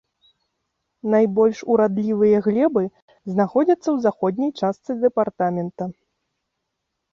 Найбольш урадлівыя глебы знаходзяцца ў заходняй частцы дэпартамента.